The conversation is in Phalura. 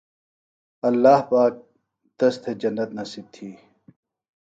اللہ پاک تس تھےۡ جنت نصیب تھی